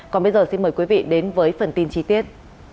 còn bây giờ xin mời quý vị đến với phần tin chi tiết